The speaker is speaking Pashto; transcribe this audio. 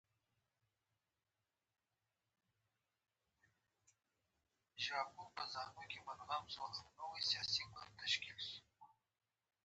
وژنه د شر نه، د شيطان عمل دی